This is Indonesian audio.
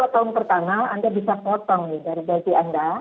dua tahun pertama anda bisa potong nih dari gaji anda